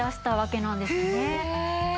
へえ。